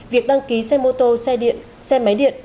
việc đăng ký xe mô tô xe điện xe máy điện